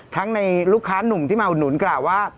ในลูกค้านุ่มที่มาอุดหนุนกล่าวว่า